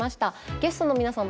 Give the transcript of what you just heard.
ゲストの皆さん